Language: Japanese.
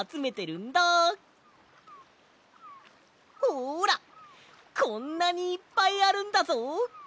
ほらこんなにいっぱいあるんだぞ！